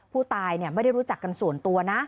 ผู้ตายไม่ได้รู้จักกันส่วนตัวนะ